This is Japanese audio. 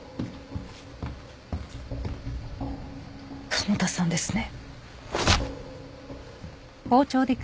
加茂田さんですね。